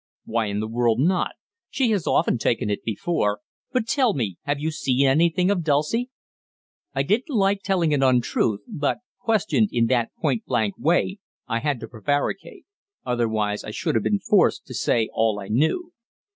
"Why in the world not? She has often taken it before. But tell me, have you seen anything of Dulcie?" I didn't like telling an untruth, but, questioned in that point blank way, I had to prevaricate; otherwise I should have been forced to say all I knew.